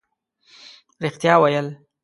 رښتیا ویل